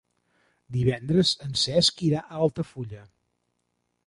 Divendres en Cesc irà a Altafulla.